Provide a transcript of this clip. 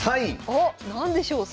おっ何でしょう？